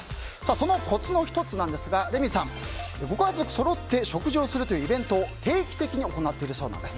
そのコツの１つですがレミさん、ご家族そろって食事をするというイベントを定期的に行っているそうです。